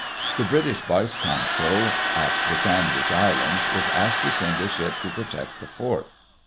The British vice consul at the Sandwich Islands was asked to send a ship to protect the fort.